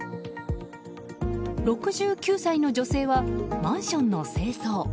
６９歳の女性はマンションの清掃。